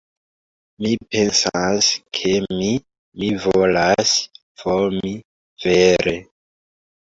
Mi pensas, ke mi... mi volas vomi... vere.